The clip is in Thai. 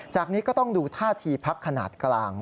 นี้ก็ต้องดูท่าทีพักขนาดกลาง